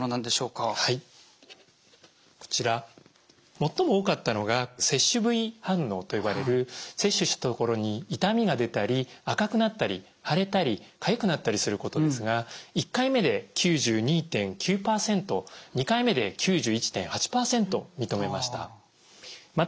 最も多かったのが接種部位反応と呼ばれる接種した所に痛みが出たり赤くなったり腫れたりかゆくなったりすることですが１回目で９２．９％２回目で９１．８％認めました。